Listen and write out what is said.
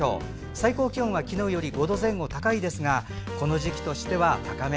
最高気温は、昨日より５度前後高いですがこの時期としては高め。